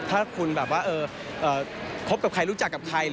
ถ้าคุณแบบว่าคบกับใครรู้จักกับใคร